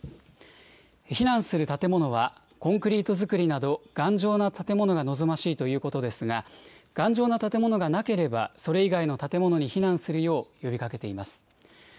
避難する建物は、コンクリート造りなど頑丈な建物が望ましいということですが、頑丈な建物がなければ、それ以外の建物に避難するよう呼びかけています。